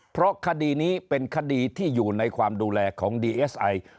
เพราะคดีนี้เป็นคดีที่อยู่ในความดูแลของดีเอสไอ